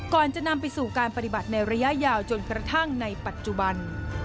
ก่อนจะนำไปสู่การปฏิบัติในระยะยาวจนกระทั่งในปัจจุบัน